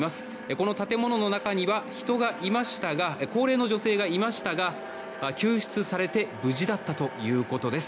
この建物の中には人がいましたが高齢の女性がいましたが救出されて無事だったということです。